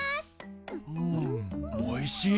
うんおいしい！